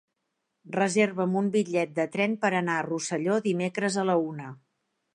Reserva'm un bitllet de tren per anar a Rosselló dimecres a la una.